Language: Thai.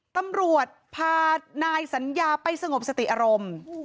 ตำรวจพานายสัญญาไปสงบสติอารมณ์